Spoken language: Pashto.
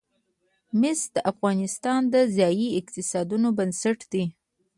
مس د افغانستان د ځایي اقتصادونو بنسټ دی.